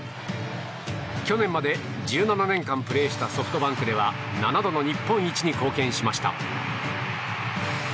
去年まで１７年間プレーしたソフトバンクでは７度の日本一に貢献しました。